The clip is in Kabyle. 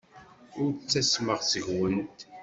Ur ttasmeɣ seg-went.